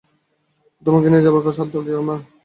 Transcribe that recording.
তোমাকে নিয়ে যাবার সাধ্য কী আমার!